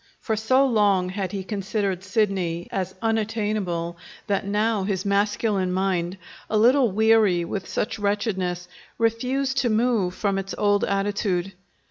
For so long had he considered Sidney as unattainable that now his masculine mind, a little weary with much wretchedness, refused to move from its old attitude.